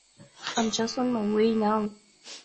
I'm just on my way now.